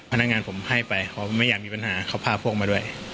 พนักงานผมให้ไปเขาไม่อยากมีปัญหาเขาพาพวกมาด้วย